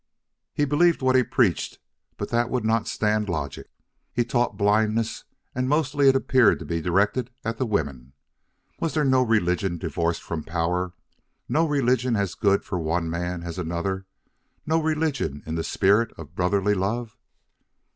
He believed what he preached, but that would not stand logic. He taught blindness and mostly it appeared to be directed at the women. Was there no religion divorced from power, no religion as good for one man as another, no religion in the spirit of brotherly love?